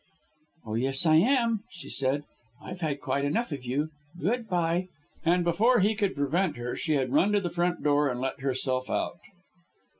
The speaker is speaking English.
"Oh, yes, I am," she said. "I've had quite enough of you! Good bye!" And before he could prevent her, she had run to the front door and let herself out.